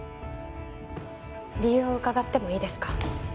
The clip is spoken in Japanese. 理由を伺ってもいいですか？